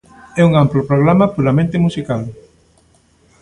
E un amplo programa puramente musical.